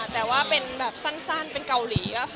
แต่ว่ามันเป็นสั้นเป็นเกาหลี